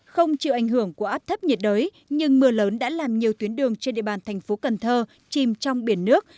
không chịu ảnh hưởng của áp thấp nhiệt đới nhưng mưa lớn đã làm nhiều tuyến đường trên địa bàn thành phố cần thơ chìm trong biển nước